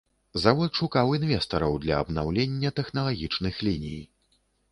Завод шукаў інвестараў для абнаўлення тэхналагічных ліній.